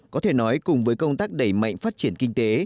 có thể nói cùng với công tác đẩy mạnh phát triển kinh tế